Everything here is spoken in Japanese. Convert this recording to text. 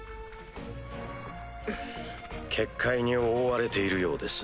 結界に覆われているようです。